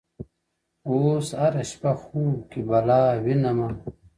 اوس هره شپه خوب کي بلا وينمه ـ